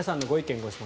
・ご質問